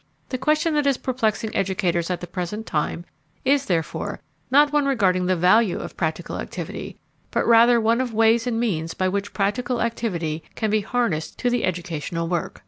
The question that is perplexing educators at the present time is, therefore, not one regarding the value of practical activity, but rather one of ways and means by which practical activity can be harnessed to the educational work.